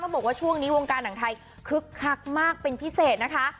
บอกว่าช่วงนี้วงการหนังไทยคึกคักมากเป็นพิเศษนะคะ